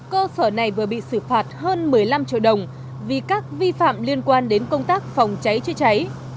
cơ sở này vừa bị xử phạt hơn một mươi năm triệu đồng vì các vi phạm liên quan đến công tác phòng cháy chữa cháy